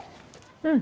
うん。